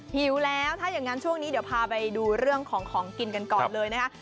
หิวแล้วถ้าอย่างนั้นช่วงนี้เดี๋ยวพาไปดูเรื่องของของกินกันก่อนเลยนะคะ